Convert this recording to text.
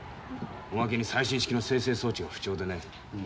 おまけに最新式の精製装置が不調でね